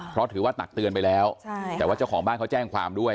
เพราะถือว่าตักเตือนไปแล้วแต่ว่าเจ้าของบ้านเขาแจ้งความด้วย